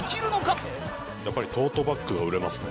やっぱりトートバッグが売れますね。